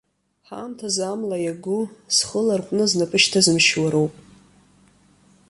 Ҳаамҭазы амла иаго, зхы ларҟәны, знапы шьҭызымшьуа роуп.